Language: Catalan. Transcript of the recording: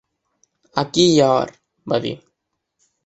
"Aquí hi ha or" va dir.